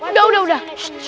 udah udah udah